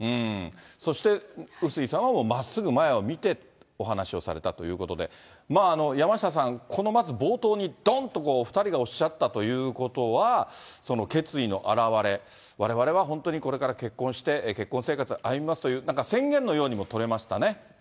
そして、笛吹さんは、まっすぐ前を見てお話をされたということで、まあ、山下さん、このまず、冒頭にどんと２人がおっしゃったということは、その決意の表れ、われわれは本当にこれから結婚して、結婚生活歩みますという、なんか宣言のようにも取れましたね。